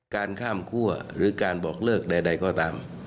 การข้ามคั่วหรือการบอกเลิกใดก็ตาม